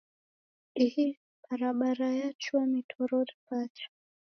Ihi barabara yachua mitorori pacha.